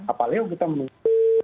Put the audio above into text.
apalagi kita menunggu